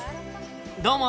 どうも。